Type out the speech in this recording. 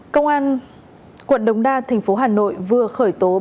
công an quận đồng đa thành phố hà nội vừa khởi tố